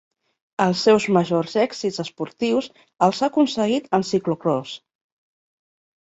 Els seus majors èxits esportius els ha aconseguit en ciclocròs.